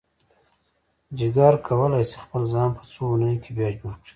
جگر کولی شي خپل ځان په څو اونیو کې بیا جوړ کړي.